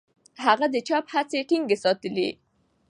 هغه د چاپ هڅې ټینګې ساتلې.